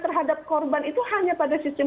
terhadap korban itu hanya pada sistem